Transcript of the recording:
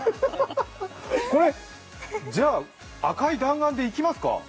これ、じゃあ、赤い弾丸でいきますか。